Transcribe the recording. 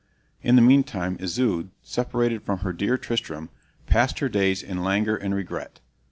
In the meantime Isoude, separated from her dear Tristram, passed her days in languor and regret.